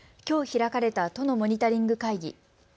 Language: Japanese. きょう開かれた都のモニタリング会議。